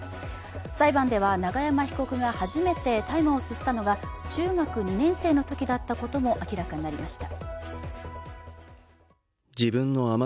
裁判では永山被告が初めて大麻を吸ったのが、中学２年生のときだったことも明らかになりました。